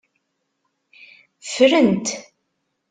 Ffrent.